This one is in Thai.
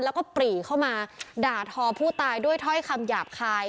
แล้วก็ปรีเข้ามาด่าทอผู้ตายด้วยถ้อยคำหยาบคาย